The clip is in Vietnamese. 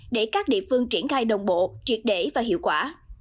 để các địa phương triển khai đồng bộ triệt để và hiệu quả